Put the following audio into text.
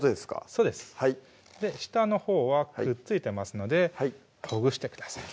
そうです下のほうはくっついてますのでほぐしてください